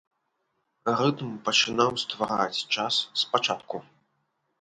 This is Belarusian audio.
Рытм пачынаў ствараць час спачатку.